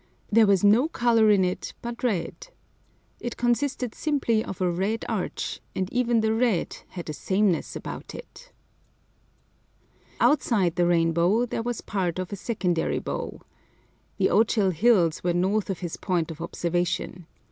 There was no colour in it but red. It consisted simply of a red arch, and even the red had a sameness about it. Outside the rainbow there was part of a secondary bow. The Ochil Hills were north of his point of observation.